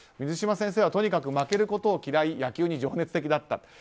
水島先生はとにかく負けることを嫌い野球に情熱的だった。